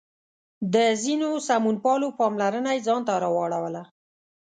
د ځینو سمونپالو پاملرنه یې ځان ته راواړوله.